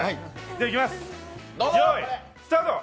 いきます、用意スタート。